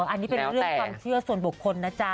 อันนี้เป็นเรื่องความเชื่อส่วนบุคคลนะจ๊ะ